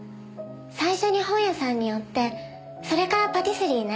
最初に本屋さんに寄ってそれからパティスリーね。